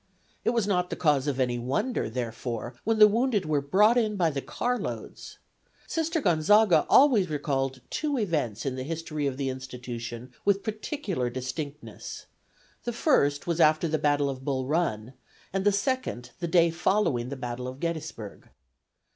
It was not the cause of any wonder, therefore, when the wounded were brought in by the car loads. Sister Gonzaga always recalled two events in the history of the institution with particular distinctness; the first was after the battle of Bull Run and the second the day following the battle of Gettysburg.